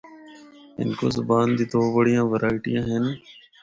ہندکو زبان دے دو بڑیاں ورائٹیاں ہن۔